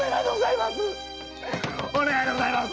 お願いでございます！